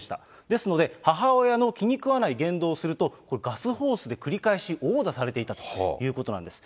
ですので、母親の気に食わない言動をすると、ガスホースで繰り返し殴打されていたということなんです。